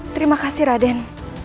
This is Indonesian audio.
terima kasih raden